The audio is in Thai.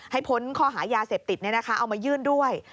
พ้นข้อหายาเสพติดเอามายื่นด้วย